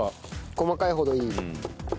細かいほどいい。